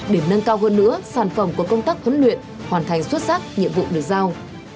để nâng cao hơn nữa sản phẩm của công tác huấn luyện hoàn thành xuất sắc nhiệm vụ được giao